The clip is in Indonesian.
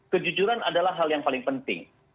kejujuran adalah hal yang paling penting